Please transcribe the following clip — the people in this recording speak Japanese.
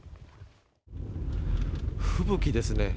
吹雪ですね。